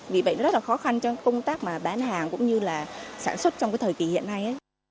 vì vậy nó rất khó khăn cho công tác bán hàng cũng như sản xuất trong thời kỳ hiện nay